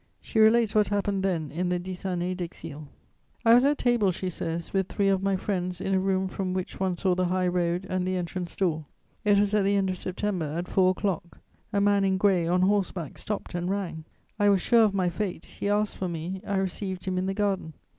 She relates what happened then, in the Dix années d'exil: "I was at table," she says, "with three of my friends in a room from which one saw the high road and the entrance door. It was at the end of September, at four o'clock: a man in grey, on horseback, stopped and rang; I was sure of my fate; he asked for me; I received him in the garden.